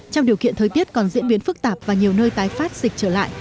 trong điều kiện thời tiết còn diễn biến phức tạp và nhiều nơi tái phát dịch trở lại